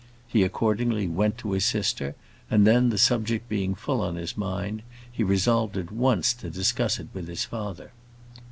He accordingly went to his sister; and then, the subject being full on his mind, he resolved at once to discuss it with his father.